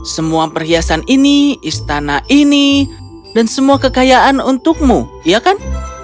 semua perhiasan ini istana ini dan semua kekayaan untukmu iya kan